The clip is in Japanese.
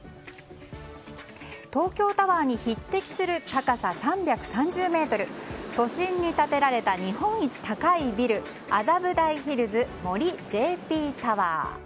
東京タワーに匹敵する高さ３３０ｍ都心に建てられた日本一高いビル麻布台ヒルズ森ＪＰタワー。